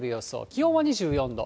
気温は２４度。